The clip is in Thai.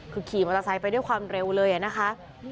คือขี่มอเตอร์ไซค์ไปด้วยความเร็วเลยนะคะ